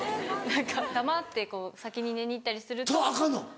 黙って先に寝に行ったりすると。アカンの？